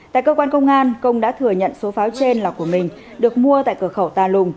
tại cơ quan công an công đã thừa nhận số pháo trên là của mình được mua tại cửa khẩu tà lùng